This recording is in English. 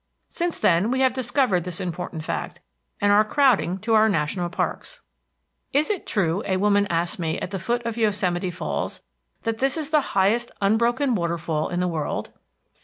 Since then, we have discovered this important fact and are crowding to our national parks. "Is it true," a woman asked me at the foot of Yosemite Falls, "that this is the highest unbroken waterfall in the world?"